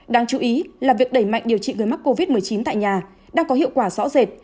đáng chú ý là việc đẩy mạnh điều trị người mắc covid một mươi chín tại nhà đang có hiệu quả rõ rệt